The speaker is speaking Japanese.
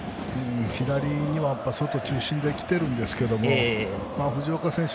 左には外中心できているんですけど藤岡選手